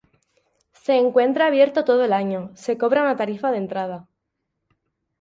Se encuentra abierto todo el año, se cobra una tarifa de entrada.